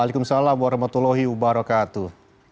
waalaikumsalam warahmatullahi wabarakatuh